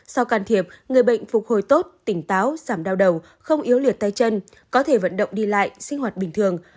sau can thiệp người bệnh phục hồi tốt tỉnh táo giảm đau đầu không yếu liệt tay chân có thể vận động đi lại sinh hoạt bình thường